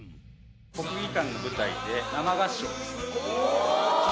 国技館の舞台で生合唱です。